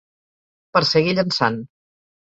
Per seguir llençant.